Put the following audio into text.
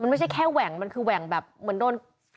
ไม่ใช่แค่แหว่งมันคือแหว่งแบบเหมือนโดน